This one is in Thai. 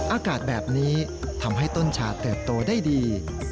อากาศแบบนี้ทำให้ต้นชาเติบโตได้ดี